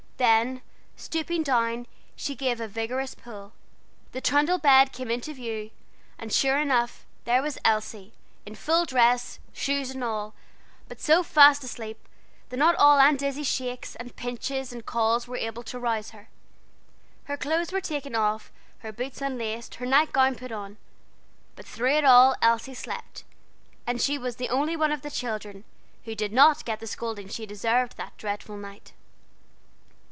Then stooping down, she gave a vigorous pull. The trundle bed came into view, and sure enough, there was Elsie, in full dress, shoes and all, but so fast asleep that not all Aunt Izzie's shakes, and pinches, and calls, were able to rouse her. Her clothes were taken off, her boots unlaced, her night gown put on; but through it all Elsie slept, and she was the only one of the children who did not get the scolding she deserved that dreadful night.